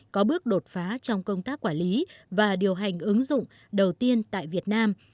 có bước đột phá trong công tác quản lý và điều hành ứng dụng đầu tiên tại việt nam